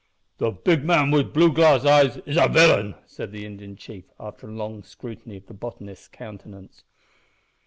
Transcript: "The big man with the blue glass eyes is a villain," said the Indian chief, after a long scrutiny of the botanist's countenance.